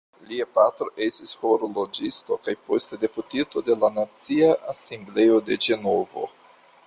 Lia patro estis horloĝisto kaj poste deputito de la Nacia Asembleo de Ĝenovo.